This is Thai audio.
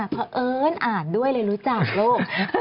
เพราะเอิญอ่านด้วยเลยรู้จักลูก